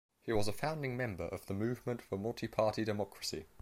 He was a founding member of the Movement for Multiparty Democracy.